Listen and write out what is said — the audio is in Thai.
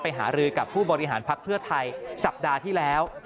หารือกับผู้บริหารพักเพื่อไทยสัปดาห์ที่แล้ว